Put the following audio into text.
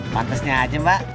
pantesnya aja mbak